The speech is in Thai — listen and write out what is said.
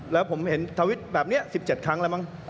แล้วผมเห็นทวิตแบบนี้๑๗ครั้งแล้วมั้ง